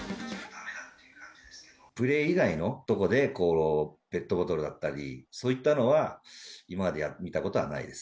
プレー以外のとこで、ペットボトルだったり、そういったのは、今まで見たことはないです。